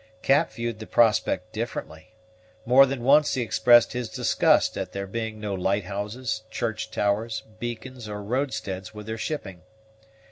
Cap viewed the prospect differently; more than once he expressed his disgust at there being no lighthouses, church towers, beacons, or roadsteads with their shipping.